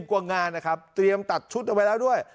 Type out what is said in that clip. กว่างานนะครับเตรียมตัดชุดเอาไว้แล้วด้วย